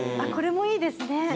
これもいいですね